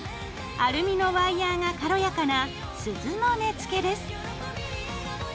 アルミのワイヤーが軽やかな鈴の根付です。